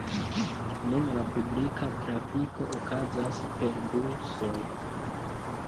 Nun la publika trafiko okazas per busoj.